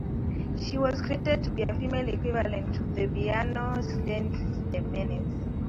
She was created to be a female equivalent to "The Beano"'s Dennis the Menace.